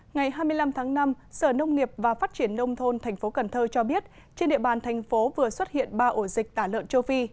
ngày hai mươi năm tháng năm sở nông nghiệp và phát triển nông thôn tp cn cho biết trên địa bàn thành phố vừa xuất hiện ba ổ dịch tả lợn châu phi